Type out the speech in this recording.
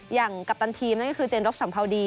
กัปตันทีมนั่นก็คือเจนรบสัมภาวดี